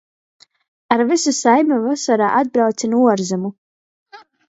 Ar vysu saimi vosorā atbrauce nu uorzemu.